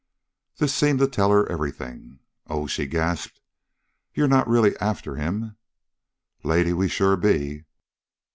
This seemed to tell her everything. "Oh," she gasped, "you're not really after him?" "Lady, we sure be."